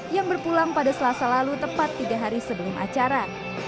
yang berpulang pada selasa lalu tepat tiga hari sebelum acara